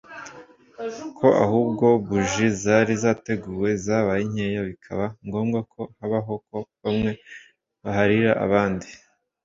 ko ahubwo buji zari zateguwe zabaye nkeya bikaba ngombwa ko habaho ko bamwe baharira abandi